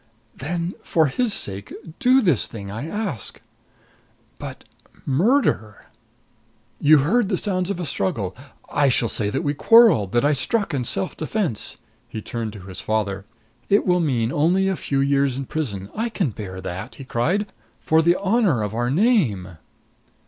"Then, for his sake do this thing I ask." "But murder " "You heard the sounds of a struggle. I shall say that we quarreled that I struck in self defense." He turned to his father. "It will mean only a few years in prison I can bear that!" he cried. "For the honor of our name!"